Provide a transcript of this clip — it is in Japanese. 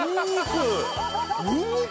にんにく！